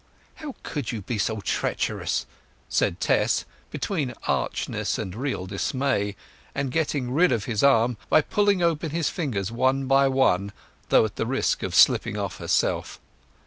"How could you be so treacherous!" said Tess, between archness and real dismay, and getting rid of his arm by pulling open his fingers one by one, though at the risk of slipping off herself.